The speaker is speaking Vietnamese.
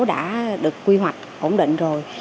đã được quy hoạch ổn định rồi